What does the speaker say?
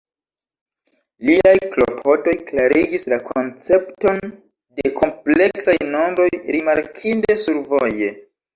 Liaj klopodoj klarigis la koncepton de kompleksaj nombroj rimarkinde survoje.